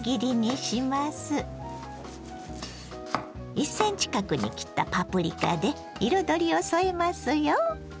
１ｃｍ角に切ったパプリカで彩りを添えますよ。